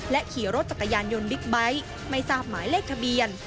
ขี่รถจักรยานยนต์บิ๊กไบท์ไม่ทราบหมายเลขทะเบียน